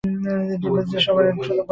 এভাবে যে সবার আগে একশত পয়েন্ট করতে পারবে।